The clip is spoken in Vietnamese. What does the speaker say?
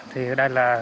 thì đây là